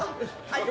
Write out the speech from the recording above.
はい。